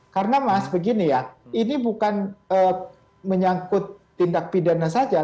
karena mas begini ya ini bukan menyangkut tindak pidana saja